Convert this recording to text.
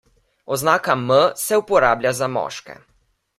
Oznaka M se uporablja za moške.